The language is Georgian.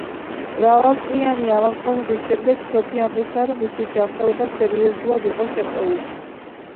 მრავალწლიანი ავადმყოფობის შემდეგ, სოფია მიხვდა, რომ მისი ჯანმრთელობა სერიოზულად იყო შერყეული.